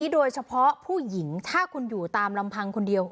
โดยเฉพาะผู้หญิงถ้าคุณอยู่ตามลำพังคนเดียว